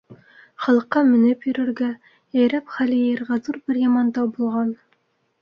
Халыҡҡа менеп йөрөргә, йәйрәп хәл йыйырға ҙур бер яман тау булған.